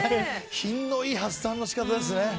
品のいい発散の仕方ですね。